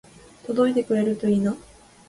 届いてくれるといいな